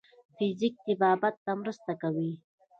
فزیک طبابت ته مرسته کوي.